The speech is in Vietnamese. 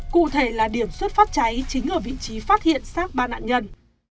cụ thể là điểm xuất phát cháy chính ở vị trí phát hiện sát ba nạn nhân